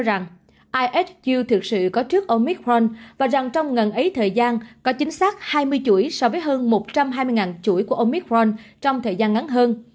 rằng ihu thực sự có trước omicron và rằng trong ngần ấy thời gian có chính xác hai mươi chuỗi so với hơn một trăm hai mươi chuỗi của omicron trong thời gian ngắn hơn